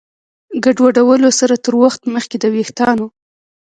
ګډوډولو سره تر وخت مخکې د ویښتانو